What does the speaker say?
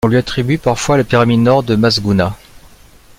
On lui attribue parfois la pyramide nord de Mazghouna.